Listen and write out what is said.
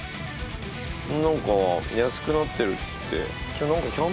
何か安くなってるっつって。